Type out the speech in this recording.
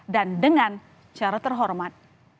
dan dengan cara terhormat